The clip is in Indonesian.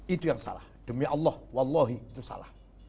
itu yang salah demi allah wallahi itu salah